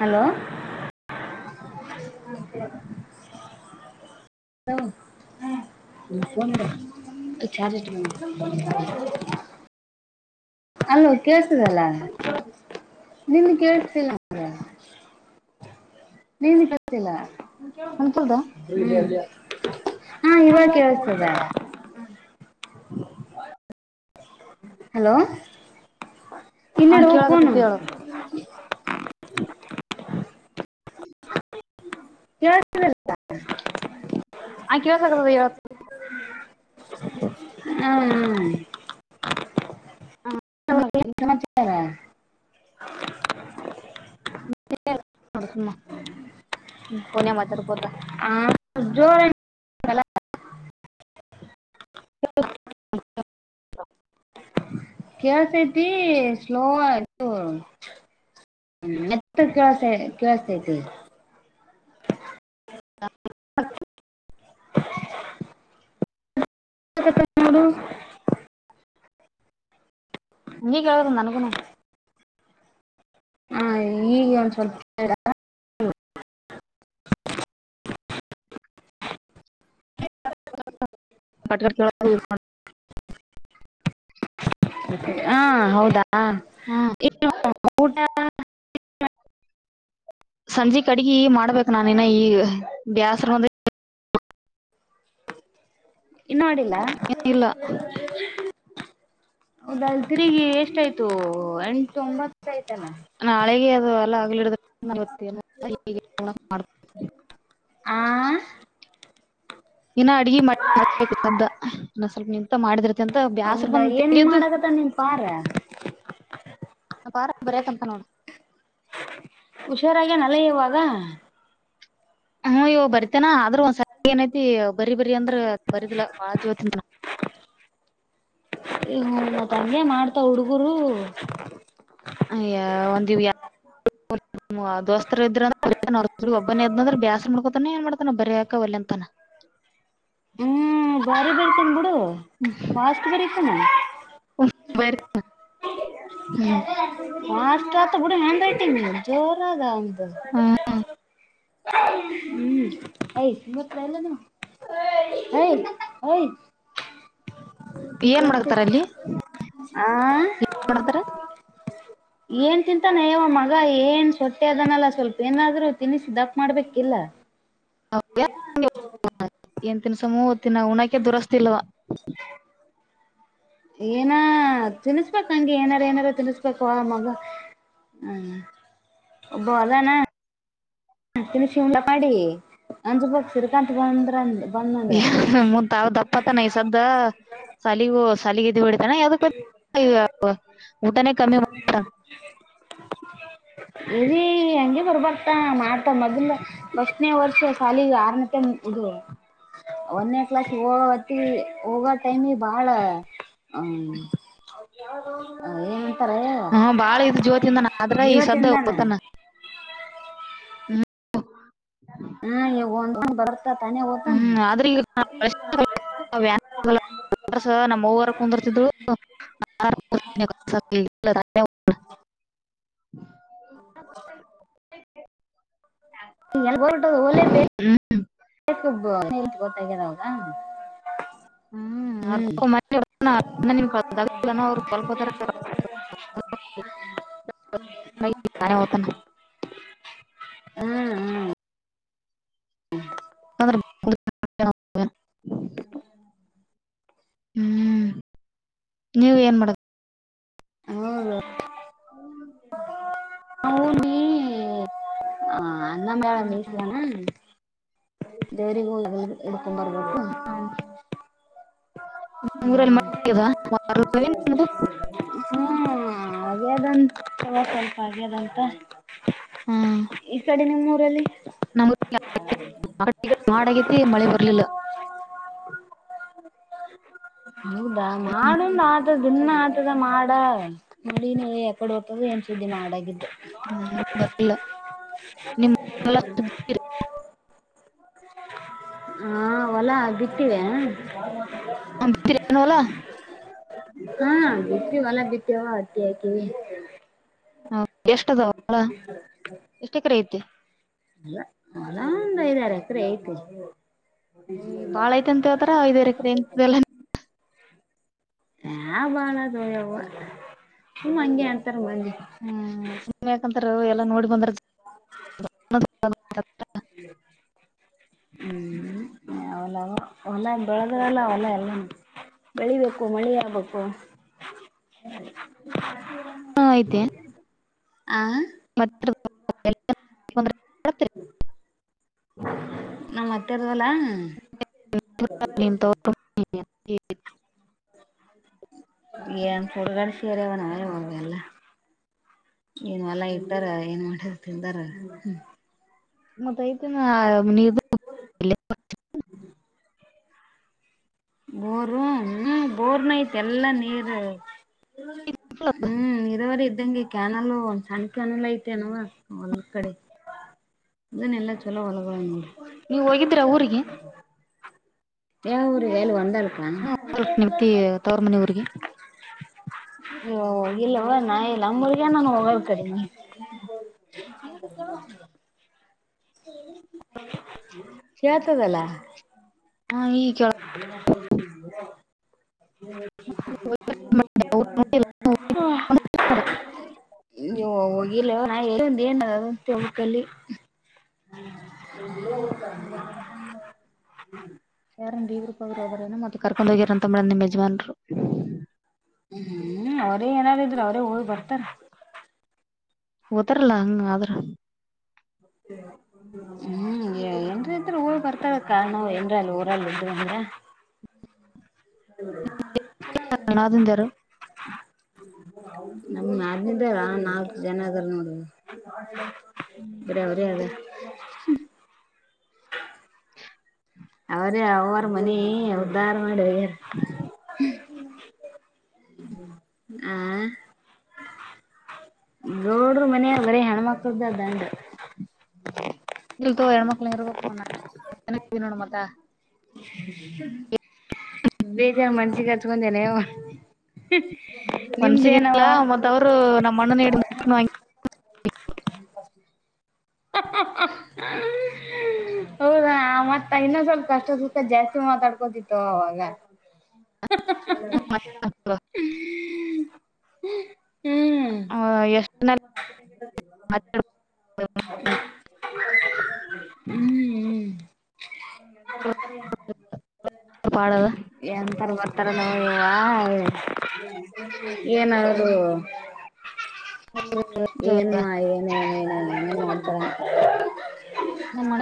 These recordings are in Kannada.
ಹಲೋ.. [unintelligible] ಹ, ಹ. [unintelligible] ನೀಲಿಶುಕೊಂಡುಬಿಡು, ಕ್ಯಾರೆಟ್ಬಂತು.. [unintelligible] ಅಲ್ಲೋ, ಕೇಳುಷುಧಲ್ಲ. [unintelligible] ನಿನ್ಗೆ, ಕೇಳುಸುತಿಲ್ವಾಧು.. [unintelligible] ನಿನ್ಗೆ, ಗೊತ್ತಿಲ್ಲ? ಅನ್ಕಲ್ದ [unintelligible] ಹ್ಮ ಹಾ ಇವಾಗ ಕೇೇಳಸ್ತದ [inaudible] [inaudible] ಹಲೋ [inaudible] ಕೇ ಆ ರೋಕನು ಕೇಳಕತ್ತತಿ [inaudible] ಹೇಳು ಕೇಳಿಸ್ತದಲ್ಲ ಆ ಕವ ಸಗ ಇ [inaudible] ಹ್ಮ್್ಮ [inaudible] ಸಮಾಚಾರ [inaudible] ಹ್ಮ ಪನಿಯ ಮಾತಾಡಬೋದ [inaudible] ಬ ಜೋ [inaudible] ಹ ಕೇಳುತಾಯ್ತಿ, ಸ್ಲ್ವಾಧು. [unintelligible] ಹ್ಮ, ಮೆತುಗೆ, ಕೇಳುಸುತಾಯ್ತಿ. [unintelligible] ಹ.. [unintelligible] [inaudible] ತಮನಾಡುಡು [inaudible] ಹಂಗ ಕೇಳ್ದಂತನಕಣ [inaudible] ಹ ಈಗ ಒಂದ ಸ್ವಲ್ಪ [inaudible] [inaudible] ಹಾ ಹೌದಾ ಹ್ಮ್ ಊಟ [inaudible] ಹ [inaudible] ಸಂಜೆ ಕಡ್ಗ ಮಾಡ್ಬೇಕು ನಾನ ಿನ ಈ ಬ್ಯಾಸ್ರಂದ [inaudible] ಇನ್ನು ಮಾಡಡಿಿಲ್ಲ [inaudible] ಇಲ್ಲ ಹೌದ ಗ್ರಗ ಎಷ್ಟಯ್ತು ಎಂಟು ಒಂಬತ್ತ್ತು [inaudible] ನಾಳೆ ಅದು ಎಲ್ಲ ಆಗ್ಲಿಡ [inaudible] ಆ [inaudible] ಇನ್ನ ಅಡ್ಗೆ ಮಾಡಬೇಕು ಶದ್ದ ಇ ಸ್ವಲ್ಪ ನಿ [inaudible] ಮಾಡಿದಿರ್ತಿ ಅಂತ ಬ್ಯಾಸ್ರ ಹೌದಾ ಬಂದ ಏನ್ ತರಿಯೋ್ದದು [inaudible] ಮಾಡಕತ್ತ ನಿನ್ ಪಾರ ನ ಪಾರ ಬರ ಕಂಪನೋಡ [inaudible] ಹುಷಾರಾಗ ನಲ ಇುವಾಗ ಹ್ಮ ಇವ್ ಬರ್ತೇನ ಆದ್ರೂ ಒಂದ್ರಿ ಏನಐತಿ ಬರಿ ಬರಿ ಅಂದ್ರ [inaudible] ಅದು ಬರುದಿಲ್ಲ ವಾಜವ ತಿಂತ [inaudible] ಮತ್ಂಗಗೆ ಮಾಡ್ತಾವ ಹುಡುಗರು [inaudible] ಅಯ ಒಂದ [inaudible] ಹ್ಮ ದೋಸ್ತರ ಇದ್ರ [inaudible] ರು ಒಬ್ಬನೇ ಅದ್ನಂದ್ರೆ ಬ್ಯಾಸ ಮಾಡ್ಕೋತಾನ ಏ ಮಾಡ್ತಾನ ಬರಯಾಕವಲ್ಲ ಅಂತಾನ [inaudible] ಹ್ಮ್ ಬಾರಿ ಬರ್ತೀನ ಬಿಡು ಫಾಸ್ಟ್ ಬರಿತಾನ [inaudible] ಹ ಹ್ಮ್ [inaudible] ಅಷ್ಟ ಆತ ಬಿಡಿ ಹ್ಯಾಂಡ್ ರೈಟಿಂಗ್ ಜೋರದ [inaudible] ಹ್ಮ್ ಯ ಎಲ್ಲ ನ [inaudible] ಹಯ್ ಹಯ್ [inaudible] ಏನ್ ಮಾಡಾಕತ್ತಾರ ಅಲ್ಲಿ ಆ [inaudible] ಮಾಡತಾರ ಏನ್ ತಿಂತಾನೆವ ಮಗ ಏನ್ ಸೊಟ್ಟೆ ಅದನಲ್ಲ ಸ್ವಲ್ಪ ಏನಾದ್ರು ತನ್ನಿಸಿ ದಪ್ಪ ಮಾಡ್ಬೇಕಿಲ್ಲ ಏನ ಏನ್ ತಿನ್ಸೂತ್ತಿನ ಹಣಕೆ ದುರಸ್ತಿಲ್ವಾ ಏನ ತಿನ್ಿಸಬೇಕ ಹಂಗಗೆ ಏನಾರು ಏನಾರು ತಿನ್ಸ್ಬೇಕು ಮಗ ಹ್ಮ್ ಬದಣ ತಿಿನ ಶ ಉಂಡ ಮಾಡಿ ಅಂದ ಬಕ್ಸರ್ ಕಂತ ಬಂದ್ರ ಬಂದಂದ್ರ ಮುತ್ಾವ ದಪ್ಪತಾನ ಈ ಸದ್ದ ಸಲಗೂ ಸಲಗ ಇದ ಬಿಡ ಅ ಇೀ ಹೆಂಗೆ ಬರ್ಬತ ಮಾ ಮೊದ್ಲ ಎಷ್ಟನೇ ವರ್ಷ ಶಾಲಿಗೆ ಆರನಟ ಇದು ಒನ್ೇ ಕ್ಲಾಸ್ ಹೋಗವತ್ತ ಹೋಗೋ ಟೈಮಿ ಬಾಳ ಹ್ಮ್ ಏನ್ಂತಾರ ಹಾ ಬಾಳ ಇದು ಜೋತಿಂದ ಆದ್ರ ಜೀವ ಈ ತಿಂದಾನ ಹ ಹ್ಮ ಹ್ಮ್ ಈವ ಒಂದ ಬ ಹ್ಮ್ ಆದ್ರ ಈಗ ತ ಸ ನಮ್ಮ ಹವರ ಕುಂದರ್ತಿದ್ಳು [inaudible] ಹೊ ಒ ಗೊತ್ತ್ಯವ ಹ್ಮ್ ಅವ್ರ ಅವ್ರುಲ್ಕೋತಾರ ಹ ನಿಾನ ಹೊತನ ಹ್ಮ್ ಹ್ಮ್ ಹ್ಮ ಅ್ರೆ ಹ್ಮ್ ನೀವ ಏನ್ ಮಾಡದು ಹೌದ ಹ್ಮ ಹೌದ ಹ ಅನ್ನ ಮೇಲೆ ಮೀಸವಣ ಜರಿಗ ಂಬರ್ಬೇಕು ನರಲ್ಲಿ ಮಾಡ ಹಾ ಅ್ಯದಂತ ಸ್ವಲ್ಪ ಅ್ಯದಂತ ಈ ಕಡೆ ನಿಮ್ಮ ೂರಲ್ಲಿ ನಮ ಮಾಡಗಿದ್ದ ಮಳೆ ಬರ್ಲಿಲ್ಲ ಹ್ಮ ಹೌದಾ ಮಾಡಂದ್ ಆತದ ದಿನ್ನ ಆತದ ಮಾಡ ನಡಿನ ಯಕಡೆ ಹತದ ುದ್ದಿ ಮಾಡಿದ್ದ ಬರ್ಲಿಲ್ಲ ನಿಮ್ ಬಿತ್ತೀರಿ? ಹ್ಮ ಹಾ ಹೊಲಾ ಬಿಟ್ಟಿದೆ ಹ ಬಲ ಹಾ ಬಿತ್ೀ ಹೊಲ್ಲ ಬಿತ್ತೇವ ಅತ್ತಿ ಹಾಕಿವವಿ ಹೌ ಎಷ್ಟ ಅದಳ ಎಷ್ಟ ಎಕರೆ ಐತೆ ಅಲ್ಲ ಅಲ ಒಂದ್ ಐದಾರು ಎಕರೆ ಐತಿ ಬಾಳ ಐತೆ ಅಂತ ಹವತಾರ ಐದ್ ರಕ್ರ ಎಂತಲ್ಲ ಹ ಬಾಳ ಅದು್ಯವ ಹ ಹಂಗಗೆ ಅಂತ ಹ್ಮ್ ಸ ಯಾಕಂತ ಎಲ್ಲಾ ನೋಡಿ ಬಂದ್ರ ಹ್ಮ್ ಅವಲ್ಲ ಅವ ಹೊಲ ಬೆಳೆದ್ರಲ್ಲ ಅವಲ್ಲ ಎಲ್ಲ ಬೆಳಿಬೇಕು ಮಳೆ ಆಗ್ಬೇಕು ಹಾ ಆಯ್ತೆ ಆ ನಮ್ ಅತೆವರದು ವಾಲಾ [unintelligible] ತ್ಕಾಲೀ ತ ಏನ್ ಹುಡುಗಡೆ ಸೀರೆವ ನಾವೇ ಹವೆ ಅಲ್ಲ ಏನ್ ಎಲ್ಲಾ ಇರ್ತಾರ ಏನ್ ಮಾಡಿರು ತಿಂದಾರ. ಮತ್ತ ಐತ ನ ನೀ [unintelligible] [unintelligible] ಹ್ಮ್ ಬೋರ್ನ ಐತ್ ಎಲ್ಲ ನೀರು ಹ್ಮ್ ಇದವರೆ ಅಂಗೆ ಕ್ಯಾನಲ್ ಒಂದ್ ಸಣ್ಣ ಕ್ಯಾನಲ್ ಐತೆನವ ಒಂದ ಕಡೆ ಇದನೆಲ್ಲಾ ಚೊಲೋ [unintelligible] ನೀವ್ ಹೋಗಿದ್ರ ಊರಿಗೆ ಏ ಅವ್ರ್ ಹೇಳ್ ಒಂದಲ್ಕ ಹಾ, ಹೋಗ್ಬೇಕ್ ನಿಮ್ ತಿ ತವ್ರ ಮನಿ ಊರಿಗೆ ಓ ಇಲ್ಲವ್ವ ನಾ ಇಲ್ಲ. ನಮ್ಮೂರ್ಗೆ ನಾನ್ ಹೋಗದ್ ಕಡಿಮಿ. [inaudible] [inaudible] ಕೇಳ್ತದಲ್ಲ ಹಾ ಈಗ [inaudible] ಹ ನೀವು ಹೋಗಿಲ್ಲ [unintelligible] ಏನಂತ್ ಹೇಳ್ಬೇಕಲ್ಲಿ. ಅಲ್ಲಾ ಯಾರನ್ ದವರೂಪ ಅವರುೋಬರೇನ ಮತ್ತೆ ಕರ್ಕೊಂಡು ಹೋಗಿರಾರ ಅಂತಂಬಿಂದ ಮಜವಾನ್ರು ಹ್ಮ್ ಹ್ಮ್ ಅವ್ರೇ ಏನಾರಿದ್ರ ಅವರೇ ಹೋಗಿ ಬರ್ತಾರ ಉದರ್ಲ ಹಂಗ ಆದರ ಹ್ಮ್ ಏನುಂದ್ರೆ ಈ ತರ ಊರುಗ್ ಬರ್ತಾ ಇರಕ್ ಕಾರಣ ಅನಾದಿಂದ ಯಾರು [unintelligible] [unintelligible] ನಮ್ ನಾದ್ನಿದೀರ ನಾಲ್ಕ್ ಜನ ಇದಾರ್ ನೋಡಿ ಇಲ್ಲಿ. [unintelligible] ಅವ್ರ ಅವರ ಮನಿ ಉದಾರ ಮಾಡೆ ಆ ಗೌಡ್ರು ಮನೆಯಾಗ್ ಬರಿ ಹೆಣ್ಮಕ್ಕಳ್ದೆ ದಂಡು. ಇಲ್ತೋ ಹೆಣ್ಮಕ್ಳ ಇರ್ಬೇಕು [inaudible] ನೋಡು ಮತ ಬೇಜಾರ್ ಮನ್ಸಿಗ್ ಹಚ್ಕೊಂಡೇನೆ ಅವ್ವ? ನಿಮ್ದೇನವ ಮನ್ಸಿಗಿಲ್ಲ ಮತ್ತ ಅವ್ರು ನಮ್ಮ ಅಣ್ಣನ ಹಿಡಿದು [unintelligible] ಹೌದಾ ಮತ್ತ ಇನ್ನೊ ಸ್ವಲ್ಪ ಕಷ್ಟ ಸುಖ ಜಾಸ್ತಿ ಮಾತಾಡ್ಕೋತಿತ್ತು ಅವಾಗ. [unintelligible] ಹ್ಮ್ ಎಷ್ಟನ ಹ್ಮ್ ಹ್ಮ್ ಪಾಡದ ಎಂತಾರ ಬರ್ತಾರೆ ನೋಡೆ ಯವ್ವಾ. ಏನಾರು ಏನ್ಮ ಏನೇ ಏನೇನ ಏನೇ ಮಾಡ್ತಾರ. ನಮ್ಮ ಅಣ್ಣ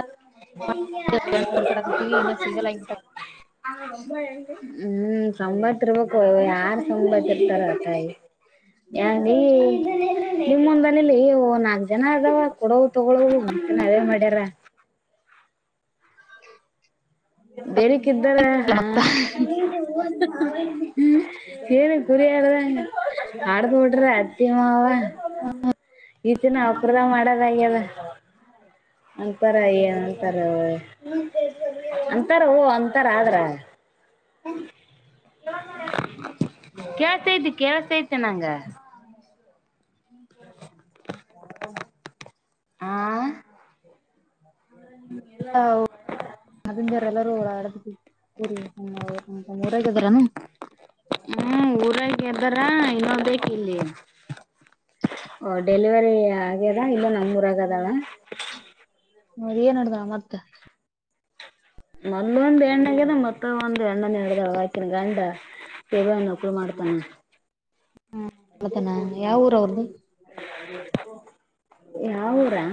ನೋಡ್ಕೊಡಕತ್ತೀವಿ ಇನ್ನ ಸಿಗಲ್ಲ [unintelligible] ಹ್ಮ್ ಸಂಬತ್ ಇರ್ಬೇಕು. ಯಾರ್ ಸಂಂಬತ್ ಇರ್ತಾರ ತಾಯಿ ಯ ವೀ ನಿಮ್ ಮುಂದನಲಿ ನಾಕ್ ಜನ ಆದಾವ ಕೊಡವು ತಗೊಳವು ನಾವೇ ಮಾಡ್ಯಾರ. [inaudible] ಬೇರೆಕಿದ್ದಾರ ಹಾಂ? ಹ್ಮ್ ಏನ [unintelligible] ಅತ್ತಿ ಮಾವ ಈತ ನವುಪ್ರದ ಮಾಡೋದಾಗ್ಯದ. ಅಂತಾರ ಏನ್ ಅಂತಾರೊ [unintelligible] ಅಂತಾರ ಓ ಅಂತಾರ ಆದ್ರೆ ಕೇಳ್ತೈತಿ ಕೇಳುಸ್ತೈತಿ ನಂಗ. ಹಾಂ [unintelligible] ನದಿಂದಾರ ಎಲ್ಲಾರೂ ಊ ಊರಾಗಿದಾರೇನು? ಹ್ಮ್ ಊರಾಗೆ ಇದ್ದಾರ. ಇನ್ನೊ ಬೇಕಿಲ್ಲಿ ಓ ಡೆಲಿವರಿ ಆಗ್ಯದ ಇಲ್ಲ ನಾ ನಮೂರಾಗದಾಳ. ನದ ಏನ್ಡ್ದ ಮತ್ತೆ ಮೊದ ಒಂದು್ ಎಣ್ಣಂಗದ ಮತ್ತ ಒಂದಂದು ಎಣ್ಣನ ಹಡ್ದಾವ ಹಾಕಿನ ಗಂಡ ಯವ ನಕರು ಮಾಡ್ತಾನ ಮಾಡತನ ಯಾವ ಊರ ಅವ್ರದದುು ಯಾವ ಊರಾ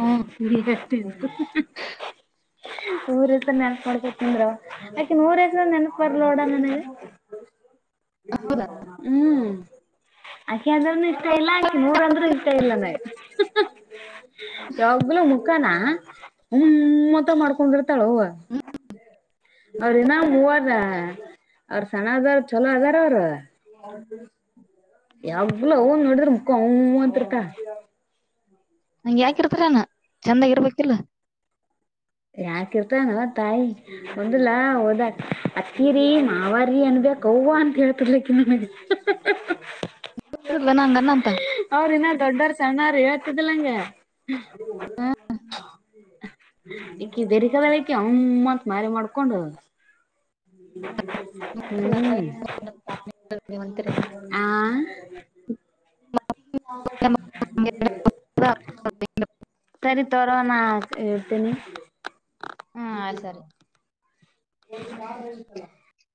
ಹ್ಮ್ ಹತ ನೂರ ಹೆಸರ ನೆನಪ ಮಾಡ್ಕ ತಿಂದ್ರು ಆಕೆ ನೂರ ಹೆಸರ ನೆನಪ ಬರ್ಲೋಡ ನನಗೆ ಹ್ಮ್ ಆಕಿ ಅಂದ್ರೇನು ಇಷ್ಟ ಇಲ್ಲ ಆಕಿ ಊರಂದ್ರು ಇಷ್ಟ ಇಲ್ಲ ನ ಎಲೂ ಮುಕ್ಕಾನಾ ಹ ಮತ್ತ ಮಾಡ್ಕೊಂಡಿರ್ತಾಳ ಹೂವ ಅವ್ರನ್ನ ಮೂವಾರದ ಅವ್ರ ಸಣ್ಣ ಹದಾರ ಛೋಲ ಹಜಾರ್ ಅವರು ಯಾವಲೋ ಊ ನೋಡಿದ್ರ ಮುಕ್ಕ ಅವ ಮಾಂತರ್ಕ ನಂಗ ಯಾಕಿರ್ತಾರನಾ ಚಂದಾಗಿರ್ಬೇಕಿಲ್ಲ ಯಾಕ ಇರ್ತಾನಲ್ಲ ತಾಯಿ ಮಂದಿಲ್ಲಾ ಓದಕ್ ಅತ್ತಿರಿೀ ನಾವಾರೀ ಅನ್ಬಕ್ ಅವ್ವ ಅಂತ ಹೇಳ್ತಿರ್ಲಕ್ಕಿ ನನಗೆ ಇರಲ್ಲ ಹಂಗನ್ನ ಅಂತ ಅವ್ರ ಇನ್ನ ದೊಡ್ಡರ್ ಸಣ್ಣಾರ ಹೇತದಿಲ್ಲ ನಂಗೆ [inaudible] ಈಕಿ ಬರಿಕದಕಿ ಅಮ್ಮತ್ ಮಾರಿ ಮಾಡ್ಕೊಂಡು ಹ್ಮ್ ಹ್ಮ್ ಆ ಹ ಸರಿ ತರೋನಾ ಹೇಳ್ತೇನಿ ಹ್ಮ ಸರಿ ಯ